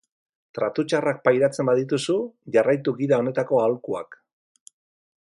Tratu txarrak pairatzen badituzu, jarraitu gida honetako aholkuak.